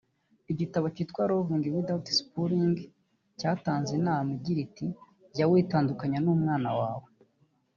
Igitabo cyitwa (Loving Without Spoiling) cyatanze inama igira iti “Jya witandukanya n’umwana wawe